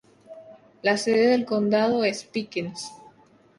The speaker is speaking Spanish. La sede del condado es Pickens.